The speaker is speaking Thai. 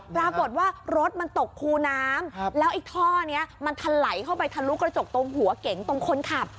ปรากฏว่ารถมันตกคูน้ำแล้วไอ้ท่อนี้มันทะไหลเข้าไปทะลุกระจกตรงหัวเก๋งตรงคนขับ